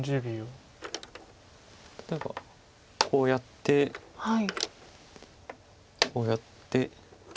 例えばこうやってこうやって。